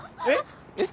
えっ？